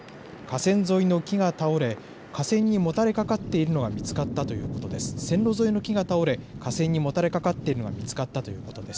線路沿いの木が倒れ、架線にもたれかかっているのが見つかったということです。